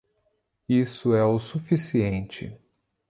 Isso é o suficiente.